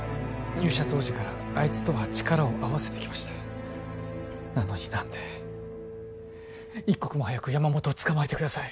入社当時からあいつとは力を合わせてきましたなのに何で一刻も早く山本を捕まえてください